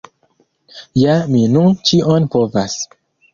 Ja mi nun ĉion povas.